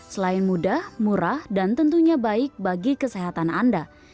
selain mudah murah dan tentunya baik bagi kesehatan anda